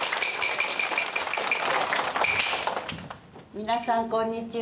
皆さんこんにちは。